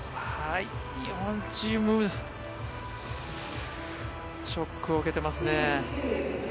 日本チームショックを受けていますね。